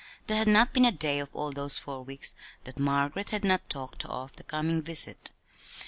There had not been a day of all those four weeks that Margaret had not talked of the coming visit.